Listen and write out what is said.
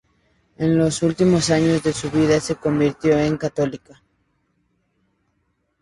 En los últimos años de su vida se convirtió en católica.